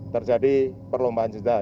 terjadi perlombaan juga